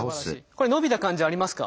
これ伸びた感じありますか？